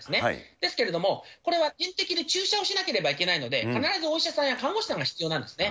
ですけれども、これは点滴で注射をしなければいけないので、必ずお医者さんや看護師さんが必要なんですね。